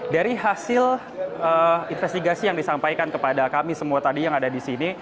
dari hasil investigasi yang disampaikan kepada kami semua tadi yang ada di sini